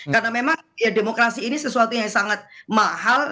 karena memang demokrasi ini sesuatu yang sangat mahal